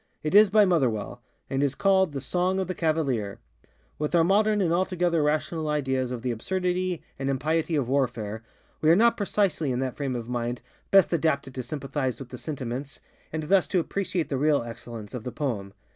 It is by Motherwell, and is called ŌĆ£The Song of the Cavalier.ŌĆØ With our modern and altogether rational ideas of the absurdity and impiety of warfare, we are not precisely in that frame of mind best adapted to sympathize with the sentiments, and thus to appreciate the real excellence of the poem.